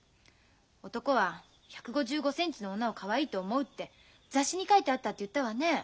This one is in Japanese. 男は１５５センチの女をかわいいと思うって雑誌に書いてあったって言ったわね。